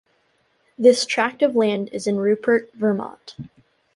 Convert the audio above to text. This tract of land is in Rupert, Vermont.